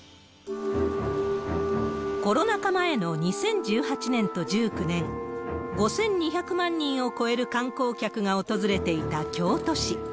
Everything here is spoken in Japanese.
コロナ禍前の２０１８年と１９年、５２００万人を超える観光客が訪れていた京都市。